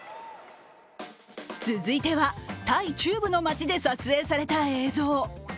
続いては、タイ中部の町で撮影された映像。